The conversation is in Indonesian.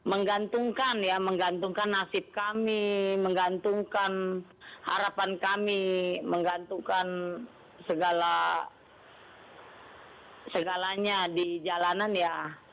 kami menghubungkan ya menghubungkan akses kami menghubungkan harapan kami menghubungkan segala segalanya di jalanan ya